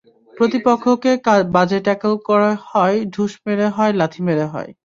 প্রতিপক্ষকে বাজে ট্যাকল করে হয়, ঢুস মেরে হয়, লাথি মেরে হয়।